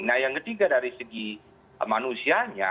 nah yang ketiga dari segi manusianya